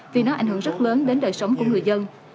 vì nó ảnh hưởng rất lớn đến đời sống của người dân